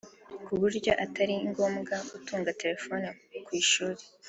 ku buryo Atari ngombwa gutunga telephone ku ishuri